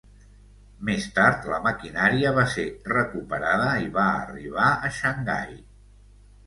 Més tard la maquinària va ser recuperada i va arribar a Xangai.